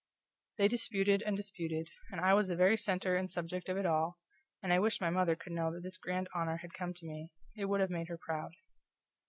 They disputed and disputed, and I was the very center of subject of it all, and I wished my mother could know that this grand honor had come to me; it would have made her proud.